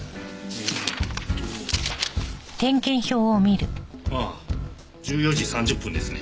ええとああ１４時３０分ですね。